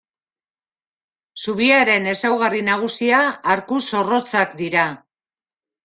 Zubiaren ezaugarri nagusia arku zorrotzak dira.